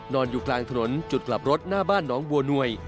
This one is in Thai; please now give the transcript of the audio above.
นอนอยู่กลางถนนจุดกลับรถหน้าบ้านน้องบัวหน่วย